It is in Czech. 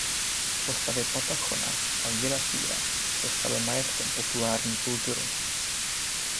Postavy Patachona a Giraffiera se staly majetkem populární kultury.